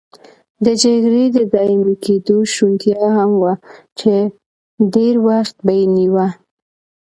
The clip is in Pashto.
د جګړې د دایمي کېدو شونتیا هم وه چې ډېر وخت به یې نیوه.